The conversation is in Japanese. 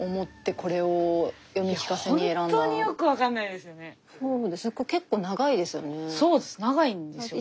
これ結構長いですよね。